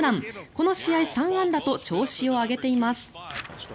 この試合、３安打と調子を上げています。